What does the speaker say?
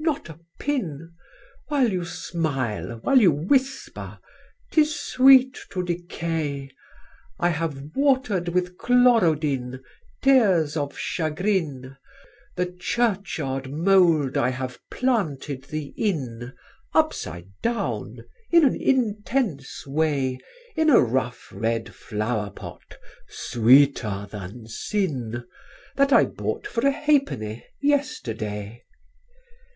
Not a pin! While you smile, while you whisper 'Tis sweet to decay! I have watered with chlorodine, tears of chagrin, The churchyard mould I have planted thee in, Upside down, in an intense way, In a rough red flower pot, sweeter than sin, That I bought for a halfpenny, yesterday!"